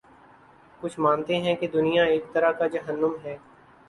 کچھ مانتے ہیں کہ یہ دنیا ایک طرح کا جہنم ہے۔